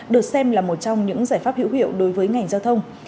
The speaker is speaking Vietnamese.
được xem là một trong những giải pháp hữu hiệu đối với ngành giao thông